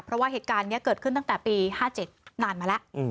เพราะว่าเหตุการณ์นี้เกิดขึ้นตั้งแต่ปี๕๗นานมาแล้ว